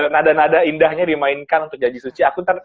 nada nada indahnya dimainkan untuk janji suci aku ntar